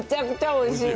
おいしい。